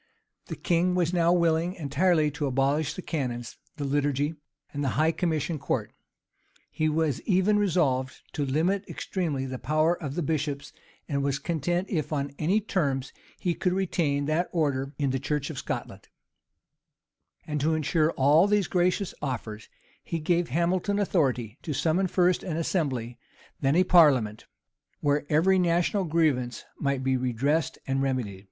The king was now willing entirely to abolish the canons, the liturgy, and the high commission court. He was even resolved to limit extremely the power of the bishops, and was content if on any terms he could retain that order in the church of Scotland.[] And to insure all these gracious offers, he gave Hamilton authority to summon first an assembly, then a parliament, where every national grievance might be redressed and remedied. * Rush, vol. ii. p. 137, etc. King's Decl. p. 87. King's Decl. p. 88.